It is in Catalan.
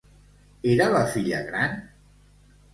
Era la filla gran?